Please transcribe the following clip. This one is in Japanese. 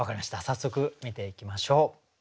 早速見ていきましょう。